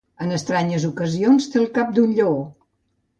En estranyes ocasions té el cap d'un lleó.